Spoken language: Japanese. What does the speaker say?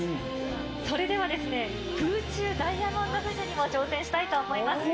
それではですね、空中ダイヤモンド富士にも挑戦したいと思います。